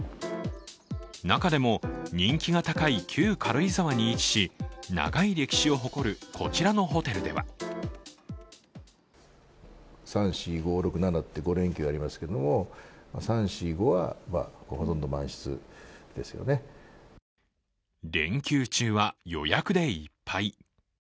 中でも人気が高い旧軽井沢に位置し、長い歴史を誇るこちらのホテルでは連休中は予約でいっぱい。